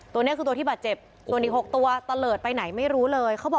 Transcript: ตัวนี้คือตัวที่บาดเจ็บส่วนอีก๖ตัวตะเลิศไปไหนไม่รู้เลยเขาบอก